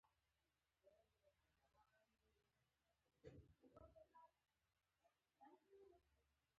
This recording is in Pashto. افغانستان کې د وحشي حیوانات د پرمختګ هڅې روانې دي.